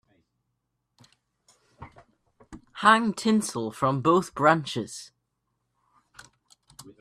Hang tinsel from both branches.